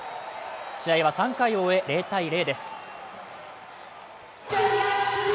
試合は３回を終え０−０です。